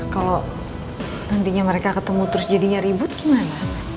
kalau nantinya mereka ketemu terus jadinya ribut gimana